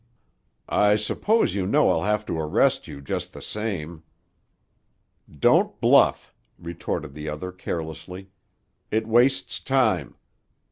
"I s'pose you know I'll have to arrest you, just the same." "Don't bluff," retorted the other carelessly. "It wastes time.